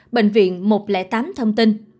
bệnh viện một trăm linh tám thông tin